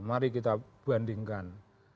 mari kita bandingkan